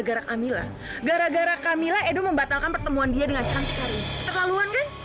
gara gara camilla emang camilla berbuat apa